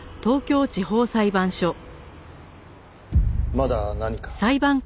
まだ何か？